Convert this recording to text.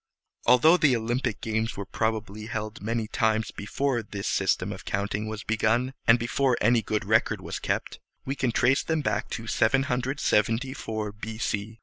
Although the Olympic games were probably held many times before this system of counting was begun, and before any good record was kept, we can trace them back to 774 B.C.